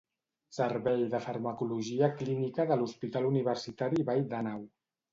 Servei de Farmacologia Clínica de l'Hospital Universitari Vall d'Àneu.